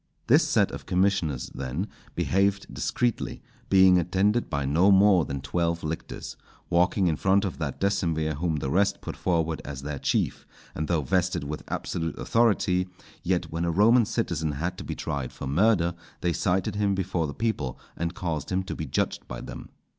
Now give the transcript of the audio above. This set of commissioners, then, behaved discreetly, being attended by no more than twelve lictors, walking in front of that decemvir whom the rest put forward as their chief; and though vested with absolute authority, yet when a Roman citizen had to be tried for murder, they cited him before the people and caused him to be judged by them.